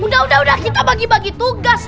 udah udah udah kita bagi bagi tugas